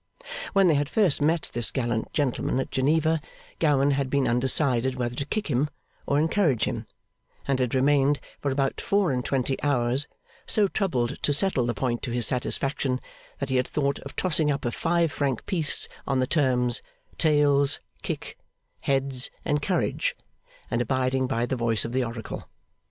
When they had first met this gallant gentleman at Geneva, Gowan had been undecided whether to kick him or encourage him; and had remained for about four and twenty hours, so troubled to settle the point to his satisfaction, that he had thought of tossing up a five franc piece on the terms, 'Tails, kick; heads, encourage,' and abiding by the voice of the oracle.